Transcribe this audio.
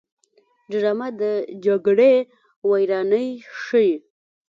ډرامه د جګړې ویرانۍ ښيي